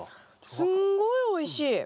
すんごいおいしい。